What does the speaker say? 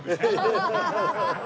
アハハハハ。